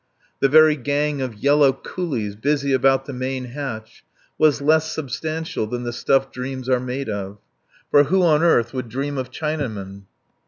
The very gang of yellow coolies busy about the main hatch was less substantial than the stuff dreams are made of. For who on earth would dream of Chinamen?